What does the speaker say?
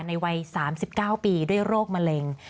ในวัย๓๙ปีด้วยโรคมะเร็ง